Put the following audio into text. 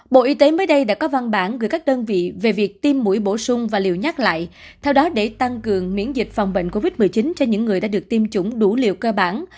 bộ y tế mới đây đã có văn bản gửi các đơn vị về việc tiêm mũi bổ sung và liều nhắc lại theo đó để tăng cường miễn dịch phòng bệnh covid một mươi chín cho những người đã được tiêm chủng đủ liều cơ bản